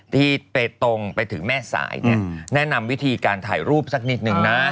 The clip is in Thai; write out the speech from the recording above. ที่ไปตรงไปถึงแม่สายเนี่ยแนะนำวิธีการถ่ายรูปสักนิดนึงนะ